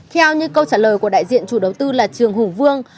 theo như câu trả lời của đại diện chủ đầu tư là trường hùng vương